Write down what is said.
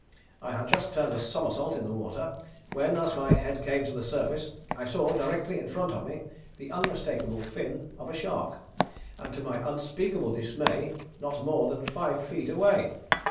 I had just turned a somersault in the water, when, as my head came to the surface, I saw directly in front of me, the unmistakable fin of a shark, and to my unspeakable dismay not more than five feet away.